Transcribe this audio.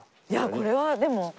いやこれはでも。